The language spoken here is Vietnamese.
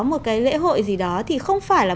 một cái lễ hội gì đó thì không phải là